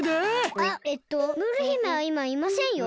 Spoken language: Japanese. あっえっとムール姫はいまいませんよ。